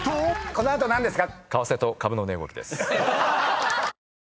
この後何ですか？